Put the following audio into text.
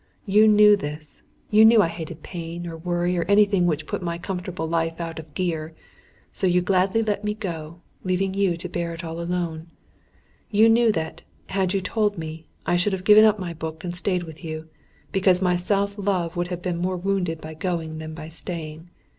You knew this. You knew I hated pain, or worry, or anything which put my comfortable life out of gear. So you gladly let me go, leaving you to bear it all alone. You knew that, had you told me, I should have given up my book and stayed with you; because my self love would have been more wounded by going than by staying.